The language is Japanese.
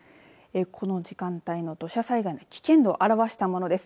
この時間帯の土砂災害の危険度を表したものです。